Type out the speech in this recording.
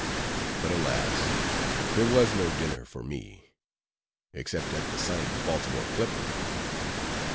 But, alas! there was no dinner for me except at the sign of the Baltimore Clipper.